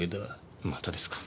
またですか。